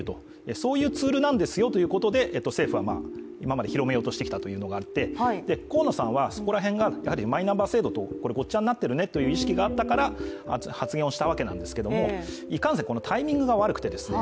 そういうツールなんですよということで政府は今まで広めようとしてきたことがあって河野さんは、そこら辺が、マイナンバー制度とごっちゃになってるねと発言をしたわけなんですけどもいかんせんタイミングが悪くてですね